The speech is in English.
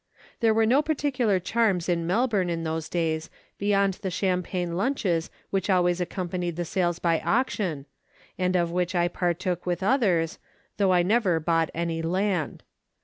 There were no particular charms in Melbourne in those days beyond the champagne lunches which always accompanied the sales by auction, and of which I partook with others, though I never bought any land.